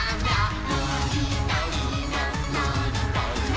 「のりたいなのりたいな」